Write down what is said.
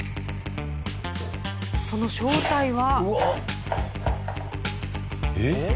その正体は。